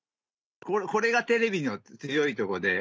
これがテレビの強いとこで。